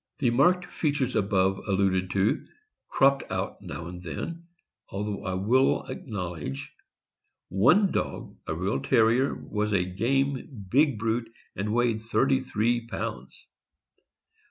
The marked features above alluded to cropped out now and then, although I will acknowledge one dog — a real Terrier —was a game, big brute, and weighed thirty three pounds.